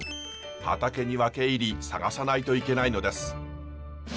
畑に分け入り探さないといけないのです。